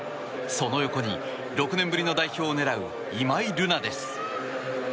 その横に６年ぶりの代表を狙う今井月です。